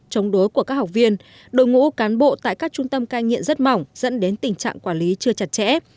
chống đối của các học viên đội ngũ cán bộ tại các trung tâm cai nghiện rất mỏng dẫn đến tình trạng quản lý chưa chặt chẽ